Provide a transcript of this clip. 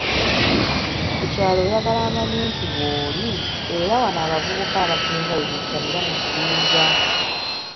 Ku kyalo oyagala amanye nti, woli, era wano abavubuka abasinga webeetabira mu "bibinja"